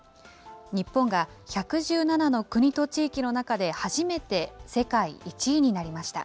日本が１１７の国と地域の中で初めて、世界１位になりました。